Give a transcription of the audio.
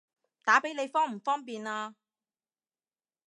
打畀你方唔方便啊？